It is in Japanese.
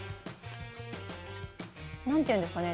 何ていうんですかね